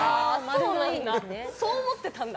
そう思ってたんだ。